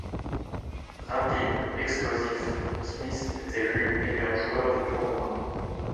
Rapide, explosif, Smith est élu meilleur joueur du tournoi.